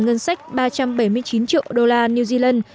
ngân sách ba trăm bảy mươi chín triệu đô la new zealand